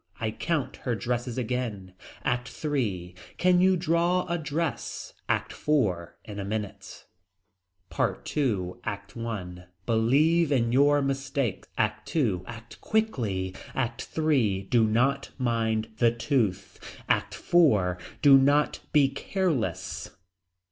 I count her dresses again. ACT III. Can you draw a dress. ACT IV. In a minute. PART II. ACT I. Believe in your mistake. ACT II. Act quickly. ACT III. Do not mind the tooth. ACT IV. Do not be careless.